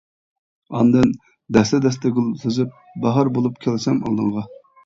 ئاندىن دەستە-دەستە گۈل تىزىپ، باھار بولۇپ كەلسەم ئالدىڭغا.